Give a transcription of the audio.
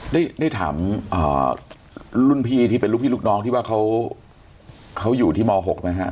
ได้ถามรุ่นพี่ที่เป็นลูกพี่ลูกน้องที่ว่าเขาอยู่ที่ม๖ไหมฮะ